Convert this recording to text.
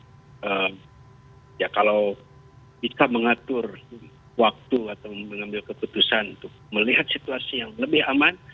jadi ya kalau bisa mengatur waktu atau mengambil keputusan untuk melihat situasi yang lebih aman